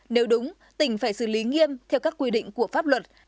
nếu đúng tỉnh phải xử lý nghiêm theo các quy định của pháp luật